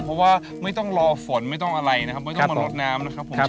เพราะว่าไม่ต้องรอฝนไม่ต้องอะไรนะครับไม่ต้องมาลดน้ำนะครับผม